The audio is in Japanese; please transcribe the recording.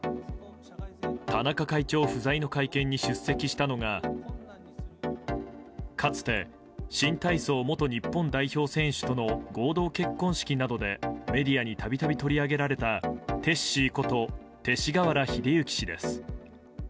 田中会長不在の会見に出席したのがかつて新体操元日本代表選手との合同結婚式などでメディアに度々取り上げられたテッシーこと勅使河原秀行氏です。